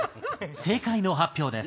正解の発表です。